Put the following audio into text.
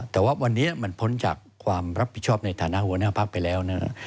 แต่ว่าวันนี้มันพ้นจากความรับผิดชอบในฐานะหัวหน้าพักไปแล้วนะ